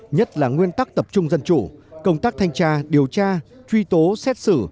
nhất là nguyên tắc tập trung dân chủ công tác thanh tra điều tra truy tố xét xử